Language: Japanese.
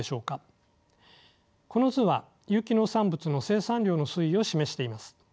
この図は有機農産物の生産量の推移を示しています。